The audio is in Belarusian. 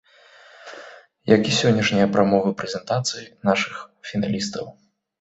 Як і сённяшнія прамовы-прэзентацыі нашых фіналістаў.